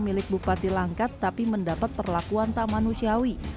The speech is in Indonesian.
milik bupati langkat tapi mendapat perlakuan tak manusiawi